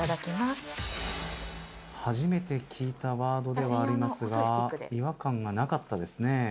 初めて聞いたワードではありますが違和感がなかったですね。